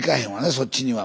そっちには。